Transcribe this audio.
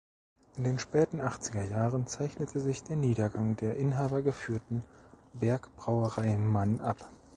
In den späten achtziger Jahren zeichnete sich der Niedergang der inhabergeführten Berg-Brauerei Mann ab.